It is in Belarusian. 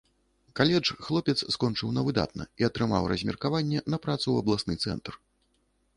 Каледж хлопец скончыў на выдатна, і атрымаў размеркаванне на працу ў абласны цэнтр.